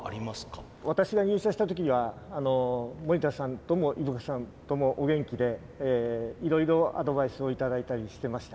私が入社した時には盛田さんとも井深さんともお元気でいろいろアドバイスを頂いたりしてました。